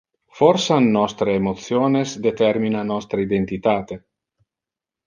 Forsan nostre emotiones determina nostre identitate.